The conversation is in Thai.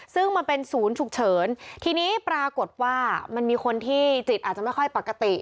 ซึ่งมันเป็นศูนย์ฉุกเฉินทีนี้ปรากฏว่ามันมีคนที่จิตอาจจะไม่ค่อยปกติ